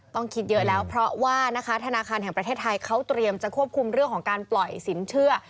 ต้องคิดเยอะแล้วเพราะว่านะคะธนาคารแห่งประเทศไทยเขาเตรียมจะควบคุมเรื่องของการปล่อยสินเชื่อ